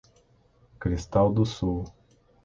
Cristal do Sul